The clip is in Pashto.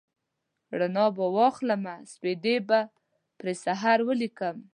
رڼا به واخلمه سپیدې به پر سحر ولیکم